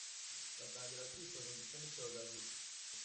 batangira kwitoza, ndetse n’icyogajuru